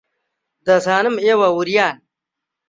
دەزانم ئێوە وریان.